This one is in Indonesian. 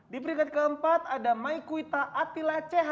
di peringkat keempat ada maikwita atila ceha